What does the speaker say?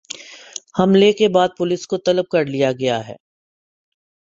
حملے کے بعد پولیس کو طلب کر لیا گیا ہے